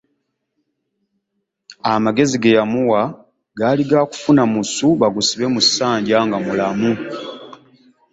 Amagezi ge yamuwa gaali ga kufuna musu bagusibe mu ssanja nga mulamu.